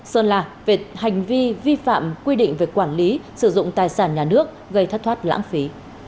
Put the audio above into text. sơn la về hành vi vi phạm quy định về quản lý sử dụng tài sản nhà nước gây thất thoát lãng phí